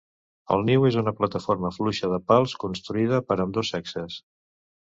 El niu és una plataforma fluixa de pals construïda per ambdós sexes.